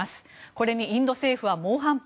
これにインド政府は猛反発。